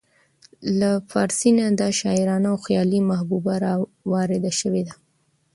او له پارسۍ نه دا شاعرانه او خيالي محبوبه راوارده شوې ده